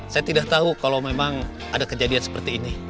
saya tidak tahu kalau memang ada kejadian seperti ini